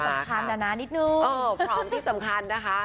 สำคัญนะนะนิดนึงเออพร้อมที่สำคัญนะคะ